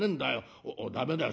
駄目だよ